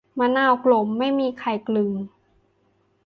มะนาวกลมไม่มีใครกลึง